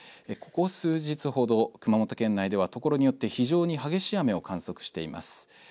ここ数日ほど、熊本県内ではところによって非常に激しい雨を観測しています。